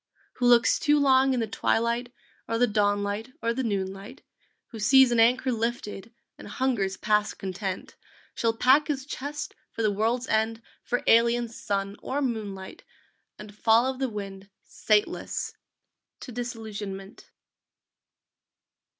Who looks too long in the twilight, Or the dawn light, or the noon light, Who sees an anchor lifted And hungers past content, Shall pack his chest for the world's end, For alien sun or moonlight, And follow the wind, sateless, To Disillusionment!